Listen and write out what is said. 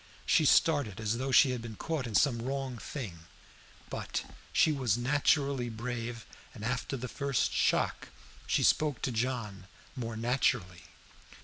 She started as though she had been caught in some wrong thing; but she was naturally brave, and after the first shock she spoke to John more naturally.